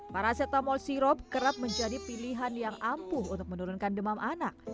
paracetamol sirop kerap menjadi pilihan yang ampuh untuk menurunkan demam anak